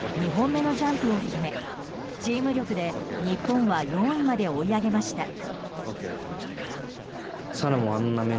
２本目のジャンプを決めチーム力で日本は４位まで追い上げました。